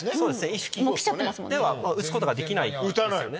意識では打つことができないですよね。